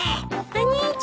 お兄ちゃん。